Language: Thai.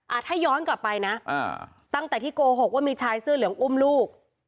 ถ้าย้อนกลับไปนะอ่าตั้งแต่ที่โกหกว่ามีชายเสื้อเหลืองอุ้มลูก